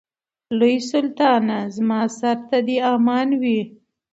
لوی سلطانه زما و سر ته دي امان وي